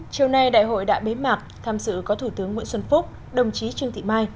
chiều nay đại hội đã bế mạc tham sự có thủ tướng nguyễn xuân phúc đồng chí trương thị mai